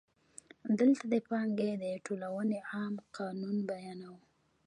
دلته د پانګې د ټولونې عام قانون بیانوو